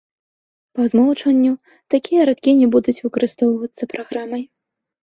Па змоўчванню, такія радкі не будуць выкарыстоўваюцца праграмай.